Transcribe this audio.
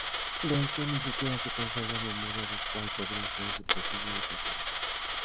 De hecho, ni siquiera se conserva memoria de cual podría ser su posible ubicación.